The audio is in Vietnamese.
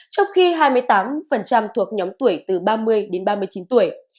trong khi hai mươi tám thuộc nhóm tuổi từ ba mươi đến ba mươi chín tuổi